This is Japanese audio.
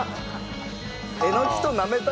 えのきとなめ茸？